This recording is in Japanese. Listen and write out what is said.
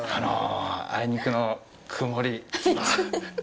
あいにくの曇り。